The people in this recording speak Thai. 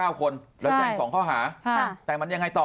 แล้วแจ้ง๒ข้อหาแจ้งมันยังไงต่อ